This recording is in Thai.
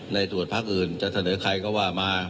ในส่วนพักอื่นจะเสนอใครก็ว่ามา